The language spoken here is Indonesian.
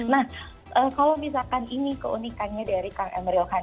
nah kalau misalkan ini keunikannya dari kang emil khan